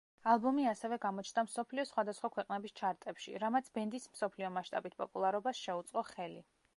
ალბომი ასევე გამოჩნდა მსოფლიოს სხვადასხვა ქვეყნების ჩარტებში, რამაც ბენდის მსოფლიო მასშტაბით პოპულარობას შეუწყო ხელი.